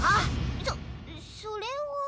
そそれは。